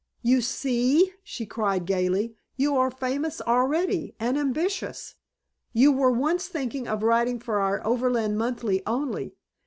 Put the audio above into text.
"You see!" she cried gaily. "You are famous already. And ambitious! You were once thinking of writing for our Overland Monthly only.